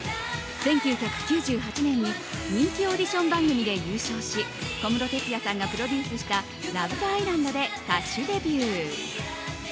１９９８年に人気オーディション番組で優勝し小室哲哉さんがプロデュースした「ｌｏｖｅｔｈｅｉｓｌａｎｄ」で歌手デビュー。